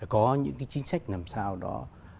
có những cái chính sách làm sao đó